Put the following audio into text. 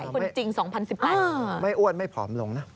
เป็นจริง๒๐๑๐ไปอ้าวอ้าวไม่อ้วนไม่ผอมลงน่ะ